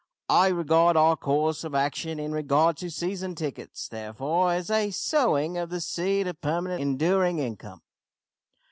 I regard our course of action in regard to season tickets, therefore, as a sowing of the seed of permanent and enduring income.